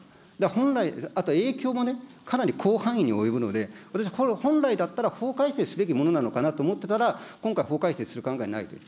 本来、あと影響もね、かなり広範囲に及ぶので、私、本来だったら法改正すべきものなのかなと思ってたら、今回、法改正する考えはないという。